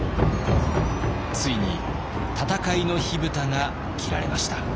ついに戦いの火蓋が切られました。